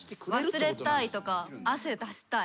忘れたいとか汗出したい。